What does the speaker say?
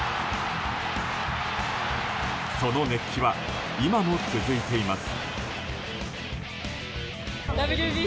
その熱気は今も続いています。